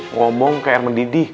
ngomong kayak mendidih